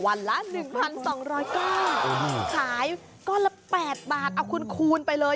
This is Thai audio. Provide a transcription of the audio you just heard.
วันละหนึ่งพันสองร้อยก้อนขายก้อนละแปดบาทเอาคุณคูณไปเลย